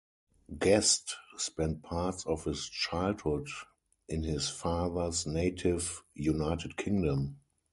Guest spent parts of his childhood in his father's native United Kingdom.